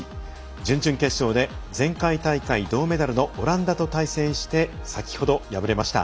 準々決勝で前回大会銅メダルのオランダと対戦して先ほど敗れました。